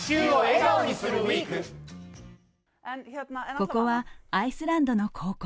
ここはアイスランドの高校。